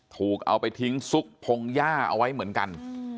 ถูกเอาไปทิ้งซุกพงหญ้าเอาไว้เหมือนกัน